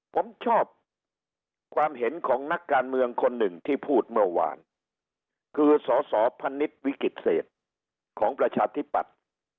ผมชอบความเห็นของนักการเมืองคนหนึ่งที่พูดเมื่อวานคือสสพนิษฐ์วิกฤตเศษของประชาธิปัตย์